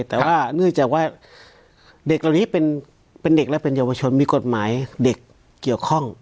แต่ว่าเนื่องจากว่าเด็กเหล่านี้เป็นเด็กและเป็นเยาวชนมีกฎหมายเด็กเกี่ยวข้อง